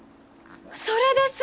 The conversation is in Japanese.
それです！